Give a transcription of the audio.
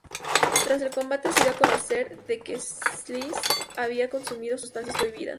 Tras el combate, se dio a conocer de que Slice había consumido sustancias prohibidas.